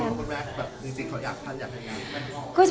คุณแม่แบบจริงเขาอยากทำอย่างไรแม่พ่อ